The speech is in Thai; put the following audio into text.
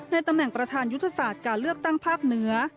ตำแหน่งประธานยุทธศาสตร์การเลือกตั้งภาคเหนือ